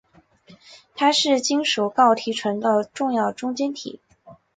它是金属锆提纯的重要中间体。